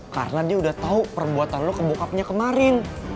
karena dia udah tau perbuatan lo ke bokapnya kemarin